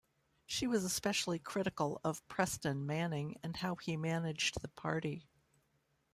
She was especially critical of Preston Manning and how he managed the party.